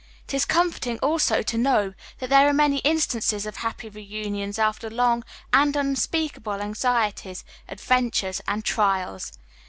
It is comforting, also, to know that there are many instances of happy reunions after long and unspeakable anxieties, adventures, and trials.